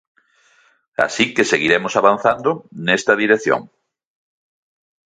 Así que seguiremos avanzando nesta dirección.